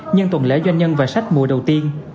nhân tuần lễ doanh nhân và sách mùa đầu tiên